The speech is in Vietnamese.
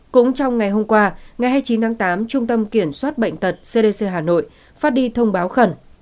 cũng trong ngày hôm qua ngày hai mươi chín tháng tám trung tâm kiểm soát bệnh tật cdc hà nội phát đi thông báo khẩn